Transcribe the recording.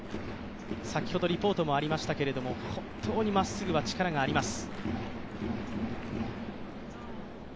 先ほどリポートもありましたけれども、本当にまっすぐは力があります。